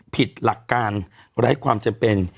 ผิดหลักการไร้ความจำเป็น